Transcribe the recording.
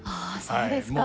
そうですか。